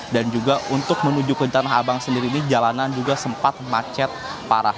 dan juga untuk menuju ke tanah abang sendiri ini jalanan juga sempat macet parah